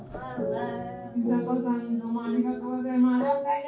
みさこさんどうもありがとうございます。